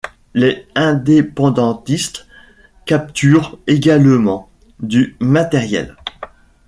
Les indépendantistes capturent également du matériel.